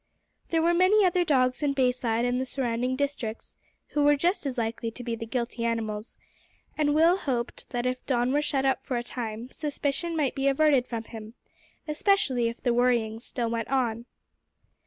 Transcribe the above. There were many other dogs in Bayside and the surrounding districts who were just as likely to be the guilty animals, and Will hoped that if Don were shut up for a time, suspicion might be averted from him, especially if the worryings still went on.